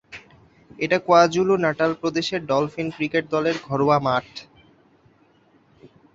এটা KwaZulu Natal প্রদেশের Dolphin cricket দলের ঘরোয়া মাঠ।